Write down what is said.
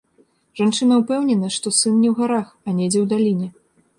Жанчына ўпэўнена, што сын не ў гарах, а недзе ў даліне.